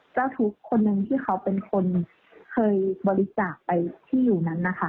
เจ้าทุกข์คนหนึ่งที่เขาเป็นคนเคยบริจาคไปที่อยู่นั้นนะคะ